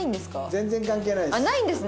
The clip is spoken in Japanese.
全然関係ないです。